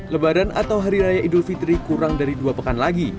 lebaran atau hari raya idul fitri kurang dari dua pekan lagi